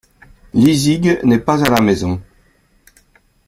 Lizig n’est pas à la maison.